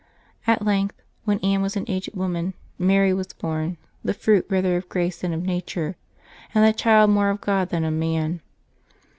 At length, when Anne was an aged woman, Mary was born, the fruit rather of ^ace than of nature, and the child more of God than of man.